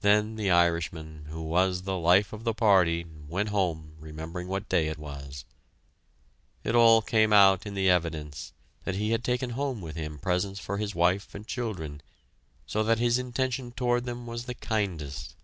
Then the Irishman, who was the life of the party, went home, remembering what day it was. It all came out in the evidence that he had taken home with him presents for his wife and children, so that his intention toward them was the kindest.